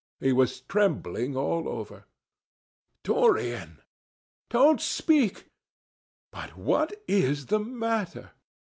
He was trembling all over. "Dorian!" "Don't speak!" "But what is the matter?